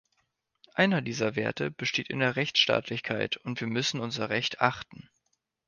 Einer dieser Werte besteht in der Rechtsstaatlichkeit, und wir müssen unser Recht achten.